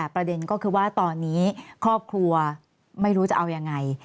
ประเด็นก็คือว่าตอนนี้ครอบครัวไม่รู้จะเอายังไง